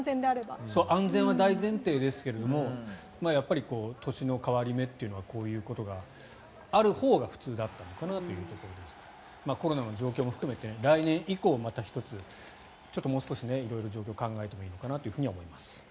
安全は大前提ですがやっぱり年の変わり目はこういうことがあるほうが普通だったというところでコロナの状況も含めて来年以降また１つもう少し色々考えてもいいのかなと思います。